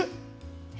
え？